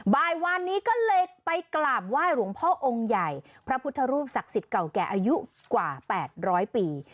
บ่ายวานนี้ก็เลยไปกราบไหว้หลวงพ่อองค์ใหญ่พระพุทธรูปศักดิ์สิทธิ์เก่าแก่อายุกว่า๘๐๐ปี